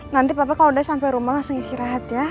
nanti papa kalau udah sampe rumah langsung isi rahat ya